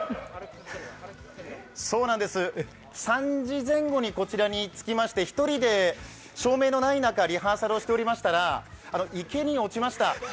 そうなんです、３時前後にこちらに着きまして、１人で照明のない中、リハーサルをしておりましたが池に落ちました。